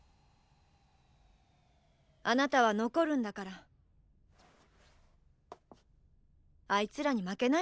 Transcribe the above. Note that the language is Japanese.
あなたは残るんだからあいつらに負けないでよね。